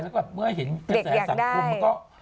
แล้วก็เมื่อเห็นเกษตรสังคม